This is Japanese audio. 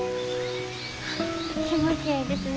気持ちええですね。